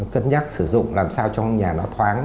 cân nhắc sử dụng làm sao trong nhà nó thoáng